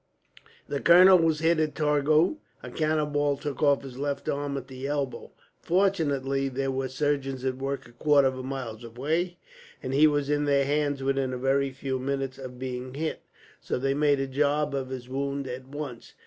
The colonel was hit at Torgau. A cannonball took off his left arm at the elbow. Fortunately, there were surgeons at work a quarter of a mile away, and he was in their hands within a very few minutes of being hit; so they made a job of his wound, at once.